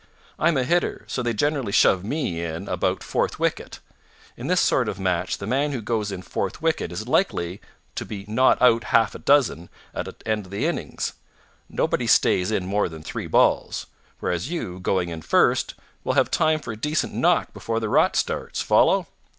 I'm a hitter, so they generally shove me in about fourth wicket. In this sort of match the man who goes in fourth wicket is likely to be not out half a dozen at the end of the innings. Nobody stays in more than three balls. Whereas you, going in first, will have time for a decent knock before the rot starts. Follow?"